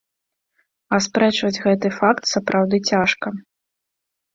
Аспрэчваць гэты факт сапраўды цяжка.